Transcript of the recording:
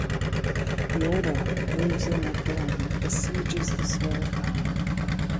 The Order moves in at dawn and besieges the small town.